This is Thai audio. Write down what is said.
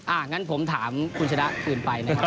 อ่างั้นผมถามคุณชะดั้อื่นไป